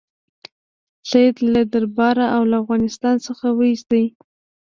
سید له درباره او له افغانستان څخه وایست.